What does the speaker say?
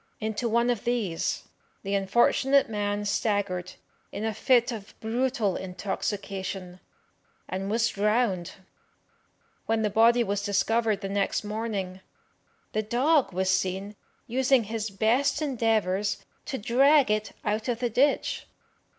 Into one of these the unfortunate man staggered in a fit of brutal intoxication, and was drowned. When the body was discovered the next morning, the dog was seen using his best endeavours to drag it out of the ditch.